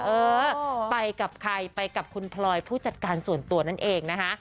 เออไปกับใครไปกับคุณพลอยผู้จัดการส่วนตัวนั่นเองนะคะ